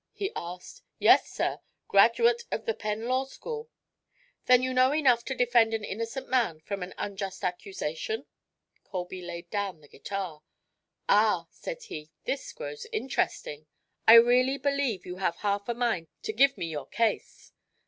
he asked. "Yes, sir. Graduate of the Penn Law School." "Then you know enough to defend an innocent man from an unjust accusation?" Colby laid down the guitar. "Ah!" said he, "this grows interesting. I really believe you have half a mind to give me your case.